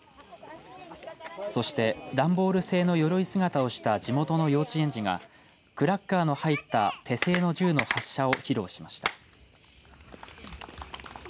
そして段ボール製のよろい姿をした地元の幼稚園児がクラッカーの入った手製の銃の発射を披露しました。